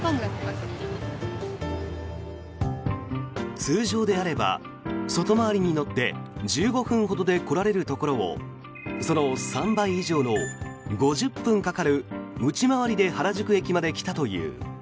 通常であれば外回りに乗って１５分ほどで来られるところをその３倍以上の５０分かかる内回りで原宿駅まで来たという。